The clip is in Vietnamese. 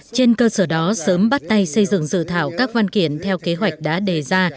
trên cơ sở đó sớm bắt tay xây dựng dự thảo các văn kiện theo kế hoạch đã đề ra